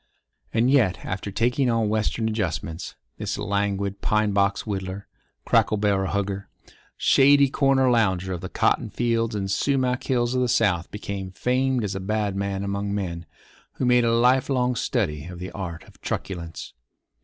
And yet, after taking on Western adjustments, this languid pine box whittler, cracker barrel hugger, shady corner lounger of the cotton fields and sumac hills of the South became famed as a bad man among men who had made a life long study of the art of truculence.